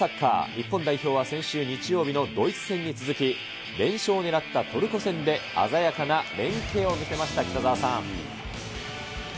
日本代表は先週日曜日のドイツ戦に続き、連勝を狙ったトルコ戦で、鮮やかな連係を見せました、北澤さん。